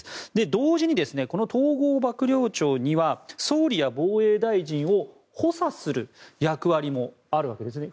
同時にこの統合幕僚長には総理や防衛大臣を補佐する役割もあるわけですね。